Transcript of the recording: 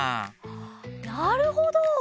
なるほど！